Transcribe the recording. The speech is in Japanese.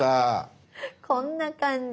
「こんな感じ！」。